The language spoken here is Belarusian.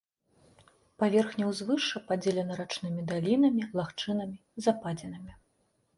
Паверхня ўзвышша падзелена рачнымі далінамі, лагчынамі, западзінамі.